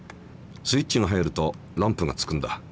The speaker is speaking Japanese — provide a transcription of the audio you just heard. スイッチが入るとランプがつくんだ。